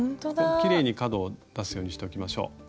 きれいに角を出すようにしておきましょう。